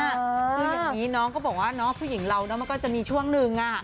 คืออย่างนี้น้องก็บอกว่าน้องผู้หญิงเรามันก็จะมีช่วงหนึ่ง